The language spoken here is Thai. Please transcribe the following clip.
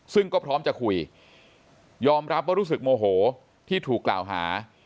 ซึ่งก็พร้อมจะคุยยอมรับว่ารู้สึกโมโหที่ถูกกล่าวหา